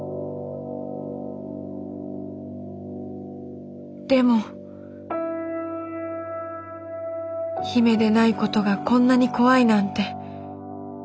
心の声でも姫でないことがこんなに怖いなんて。